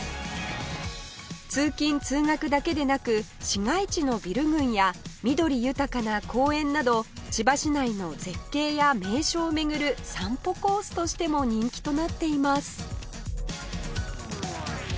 通勤通学だけでなく市街地のビル群や緑豊かな公園など千葉市内の絶景や名所を巡る散歩コースとしても人気となっています